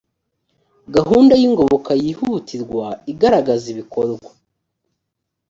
gahunda y ingoboka yihutirwa igaragaza ibikorwa